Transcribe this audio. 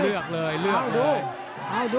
เลือกเลยเลือกด้วย